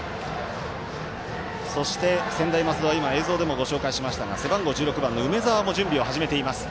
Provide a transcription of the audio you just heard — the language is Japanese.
そして専大松戸は映像でもご紹介しましたが背番号１６番の梅澤も準備を始めています。